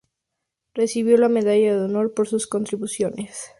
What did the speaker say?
Recibió la Medalla de Honor por sus contribuciones en la Segunda Guerra Mundial.